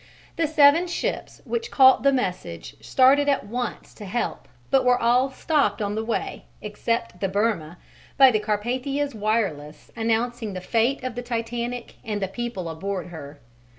The seven ships which caught the message started at once to her help but were all stopped on the way (except the Birma) by the Carpathia's wireless announcing the fate of the Titanic and the people aboard her.